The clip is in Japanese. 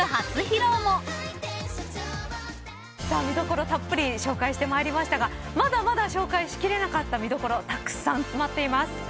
見どころたっぷり紹介してまいりましたがまだまだ紹介しきれなかった見どころたくさん詰まってます。